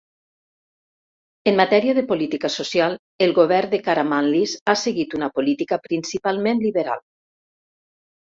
En matèria de política social, el govern de Karamanlis ha seguit una política principalment liberal.